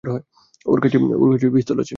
ওর কাছে পিস্তল আছে।